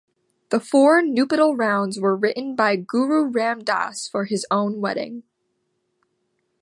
The four nuptial rounds were written by Guru Ram Das for his own wedding.